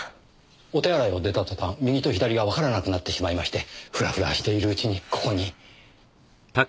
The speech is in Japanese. お手洗いを出た途端右と左がわからなくなってしまいましてフラフラしているうちにここに。